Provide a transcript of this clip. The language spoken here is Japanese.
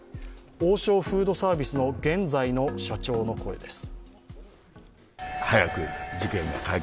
王将フードサービスの現在の社長の声です。